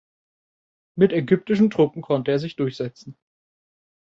Mit ägyptischen Truppen konnte er sich durchsetzen.